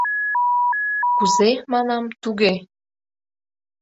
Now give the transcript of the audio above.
— Кузе, манам, туге?